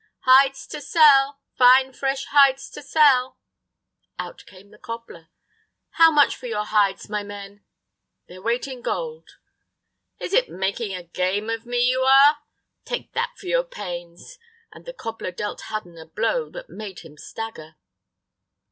"Hides to sell! Fine fresh hides to sell!" Out came the cobbler: "How much for your hides, my men?" "Their weight in gold." "Is it making game of me you are? Take that for your pains," and the cobbler dealt Hudden a blow that made him stagger.